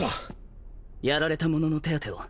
やられた者の手当てを。